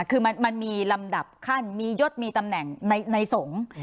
คือมันมีลำดับขั้นมียศมีตำแหน่งในสงฆ์